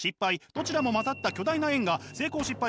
どちらも混ざった巨大な円が成功失敗